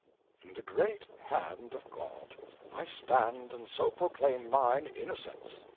In the great hand of God I stand and so proclaim mine innocence.